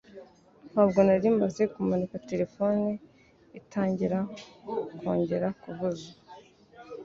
Ntabwo nari maze kumanika telefone itangira kongera kuvuza